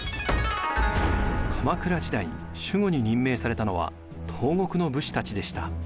鎌倉時代守護に任命されたのは東国の武士たちでした。